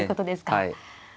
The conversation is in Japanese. はい。